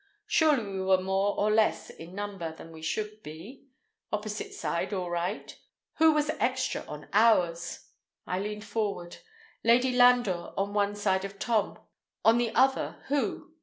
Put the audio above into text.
Surely we were more or less in number than we should be? Opposite side all right. Who was extra on ours? I leaned forward. Lady Landor on one side of Tom, on the other who?